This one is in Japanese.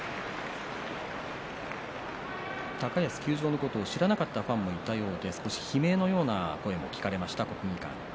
高安休場のことを知らなかったファンの方もいたようで少し悲鳴のような声も聞かれました、国技館です。